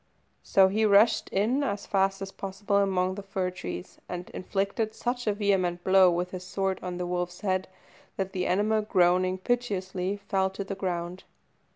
So he rushed in as fast as possible among the fir trees, and inflicted such a vehement blow with his sword on the wolf's head, that the animal, groaning piteously, fell to the ground.